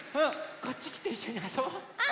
こっちきていっしょにあそぼう！